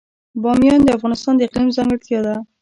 بامیان د افغانستان د اقلیم ځانګړتیا ده.